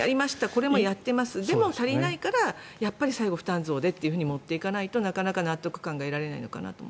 ここもやってますでも、足りないから最後は負担増でって持っていかないとなかなか納得感が得られないのかなと。